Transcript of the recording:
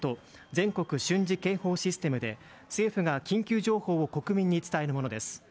・全国瞬時警報システムで、政府が緊急情報を国民に伝えるものです。